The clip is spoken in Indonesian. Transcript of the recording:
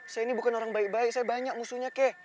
saya ini bukan orang baik baik saya banyak musuhnya kek